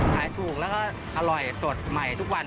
ขายถูกแล้วก็อร่อยสดใหม่ทุกวัน